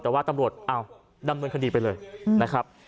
แต่ว่าตำรวจอ้าวดำเนินคดีไปเลยนะครับ